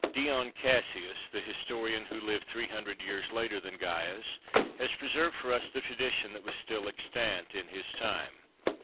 Dion Cassius, the historian, who lived 800 years later than Caius, has preserved for us the tradition that was still extant in his time.